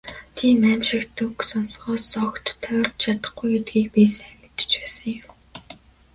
Тийм «аймшигт» үг сонсохоос огт тойрч чадахгүй гэдгийг би сайн мэдэж байсан юм.